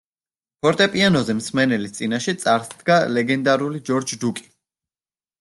ფორტეპიანოზე მსმენელის წინაშე წარსდგა ლეგენდარული ჯორჯ დუკი.